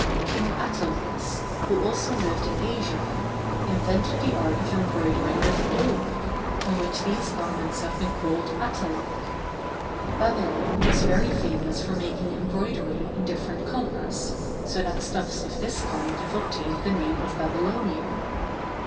King Attalus, who also lived in Asia, invented the art of embroidering with gold, from which these garments have been called Attalic. Babylon was very famous for making embroidery in different colors, so that stuffs of this kind have obtained the name of Babylonian.